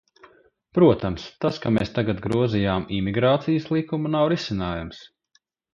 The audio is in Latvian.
Protams, tas, ka mēs tagad grozījām Imigrācijas likumu, nav risinājums.